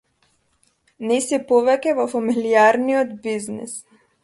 Не си повеќе во фамилијарниот бизнис.